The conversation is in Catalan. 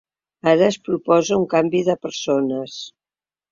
Ara es proposa un canvi de persones.